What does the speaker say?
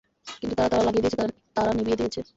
কিন্তু তারা তালা লাগিয়ে দিয়েছে, তারা নিভিয়ে দিয়েছে।